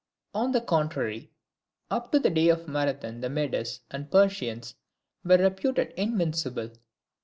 On the contrary, up to the day of Marathon the Medes and Persians were reputed invincible.